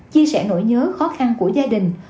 chia sẻ nỗi nhớ khó khăn của gia đình